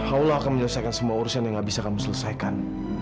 allah akan menyelesaikan semua urusan yang gak bisa kamu selesaikan